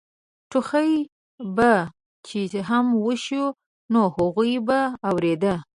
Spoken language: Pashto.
ټوخی به چې هم وشو نو هغوی به اورېده.